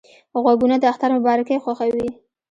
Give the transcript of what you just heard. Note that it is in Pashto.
غوږونه د اختر مبارکۍ خوښوي